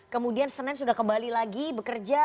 kemudian senin sudah kembali lagi bekerja